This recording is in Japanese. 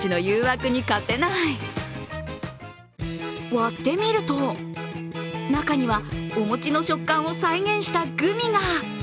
割ってみると、中にはお餅の食感を再現したグミが。